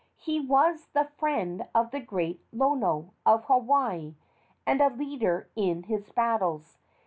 He was the friend of the great Lono, of Hawaii, and a leader in his battles.